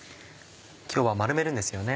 今日は丸めるんですよね。